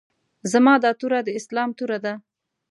زما دا توره د اسلام توره ده.